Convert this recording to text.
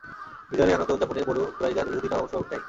বিজয়ের এই আনন্দ উদযাপনে বনু কুরাইযার ইহুদীরাও অংশ নেয়।